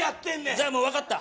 じゃあもう分かった。